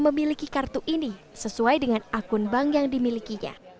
memiliki kartu ini sesuai dengan akun bank yang dimilikinya